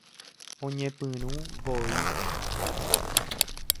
Oñepyrũ voi